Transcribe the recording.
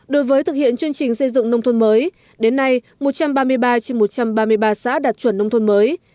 đối với thực hiện chương trình xây dựng nông thôn mới đến nay một trăm ba mươi ba trên một trăm ba mươi ba xã đạt chuẩn nông thôn mới